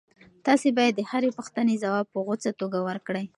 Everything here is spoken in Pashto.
تاسي باید د هرې پوښتنې ځواب په غوڅه توګه ورکړئ.